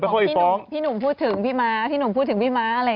พี่หนุ่มพูดถึงพี่ม้าพี่หนุ่มพูดถึงพี่ม้าอะไร